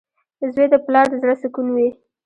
• زوی د پلار د زړۀ سکون وي.